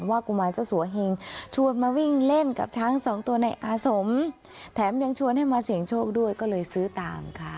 กุมารเจ้าสัวเฮงชวนมาวิ่งเล่นกับช้างสองตัวในอาสมแถมยังชวนให้มาเสี่ยงโชคด้วยก็เลยซื้อตามค่ะ